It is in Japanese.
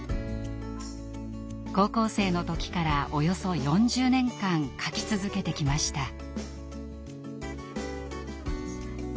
高校生の時からおよそ４０年間書き続けてきました。